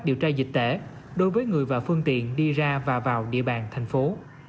điều tra dịch tễ đối với người và phương tiện đi ra và vào địa bàn thành phố